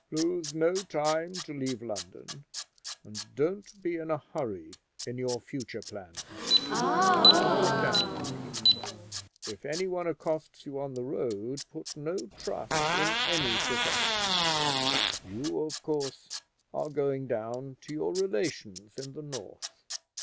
Lose no time to leave London; and don't be in a hurry in your future plans. You understand me. If any one accosts you on the road, put no trust in any professions. You, of course, are going down to your relations in the north.